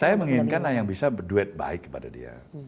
saya menginginkan yang bisa berduet baik kepada dia